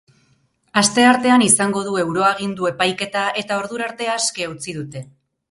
Asteartean izango du euroagindu epaiketa eta ordura arte aske utzi dute.